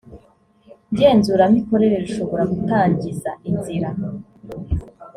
ngenzuramikorere rushobora gutangiza inzira